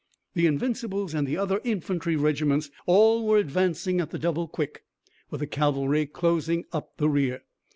The Invincibles and the other infantry regiments all were advancing at the double quick, with the cavalry closing up the rear.